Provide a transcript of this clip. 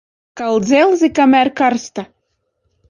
Kal dzelzi, kamēr karsta.